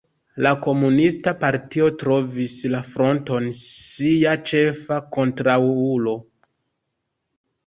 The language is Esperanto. La komunista partio trovis la Fronton sia ĉefa kontraŭulo.